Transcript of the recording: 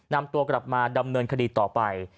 นำตัวกลับมาดำเนินคดีต่อไป